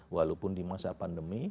walaupun di masa pandemi